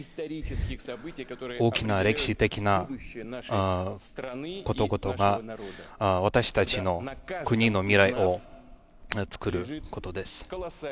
大きな歴史的な事ごとが私たちの国の未来をつくることです。